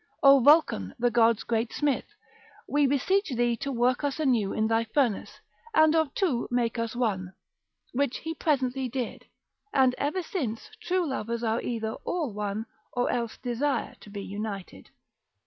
O Vulcan the gods' great smith, we beseech thee to work us anew in thy furnace, and of two make us one; which he presently did, and ever since true lovers are either all one, or else desire to be united.